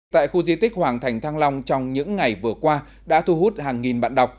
tại khu di tích hoàng thành thăng long trong những ngày vừa qua đã thu hút hàng nghìn bạn đọc